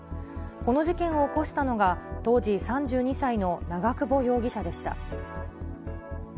この事件を起こしたのが、当時３２歳の長久保容疑者でした。